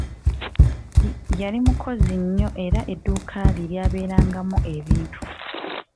Yali mukozi nnyo era edduuka lye lyabeerangamu ebintu.